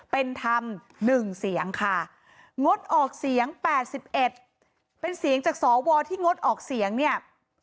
เป็นธรรม๑เสียงค่ะงดออกเสียง๘๑เป็นเสียงจากสวที่งดออกเสียงเนี่ย